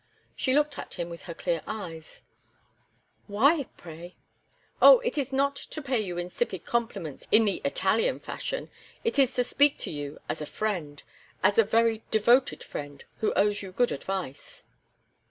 She looked at him with her clear eyes: "Why, pray?" "Oh! it is not to pay you insipid compliments in the Italian fashion. It is to speak to you as a friend as a very devoted friend, who owes you good advice."